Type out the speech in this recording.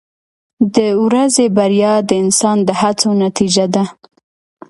• د ورځې بریا د انسان د هڅو نتیجه ده.